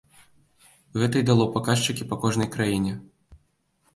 Гэта і дало паказчыкі па кожнай краіне.